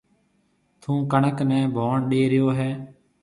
ٿوُن ڪڻڪ نَي ڀوڻ ڏيَ ريو هيَ۔